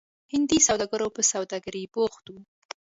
هندي سوداګرو پر سوداګرۍ بوخت وو.